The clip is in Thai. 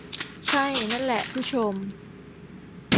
ใช่ นั่นแหละ ผู้ชม